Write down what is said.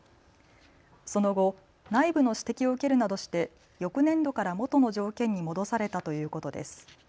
その後、内部の指摘を受けるなどして翌年度から元の条件に戻されたということです。